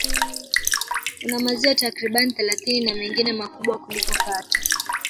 Una maziwa takriban thelathini na mengine makubwa kuliko Katwe